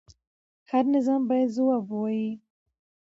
هر نظام باید ځواب ووایي